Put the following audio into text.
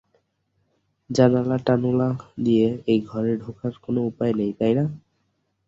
জানালা-টানোলা দিয়ে এই ঘরে ঢোকার কোনো উপায় নেই, তাই না?